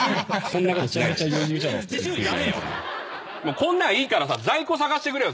こんなんいいからさ在庫探してくれよ。